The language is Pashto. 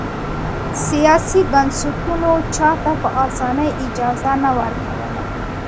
سیاسي بنسټونو چا ته په اسانۍ اجازه نه ورکوله.